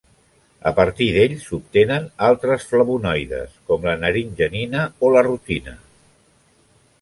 A partir d'ell s'obtenen altres flavonoides, com la naringenina o la rutina.